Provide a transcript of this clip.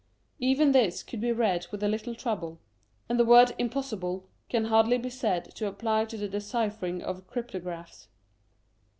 Even this could be read with a little trouble ; and the word " impossible " can hardly be said to apply to the deciphering of cryptographs.